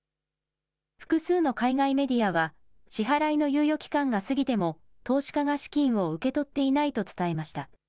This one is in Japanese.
複数の海外メディアは、支払いの猶予期間が過ぎても、投資家が資金を受け取っていないと伝えました。